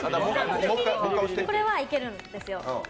これはいけるんです。